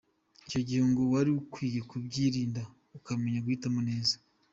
Icyo gihe ngo wari ukwiye kubyirinda ukamenya guhitamo neza.